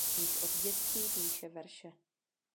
Již od dětství píše verše.